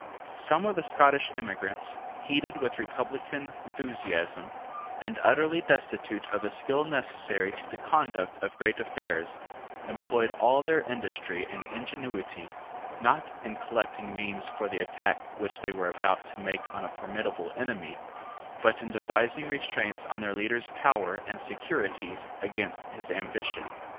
Some of the Scottish emigrants, heated with republican enthusiasm, and utterly destitute of the skill necessary to the conduct of great affairs, employed all their industry and ingenuity, not in collecting means for the attack which they were about to make on a formidable enemy, but in devising restraints on their leader's power and securities against his ambition.